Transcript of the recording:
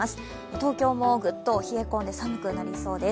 東京もグッと冷え込んで寒くなりそうです。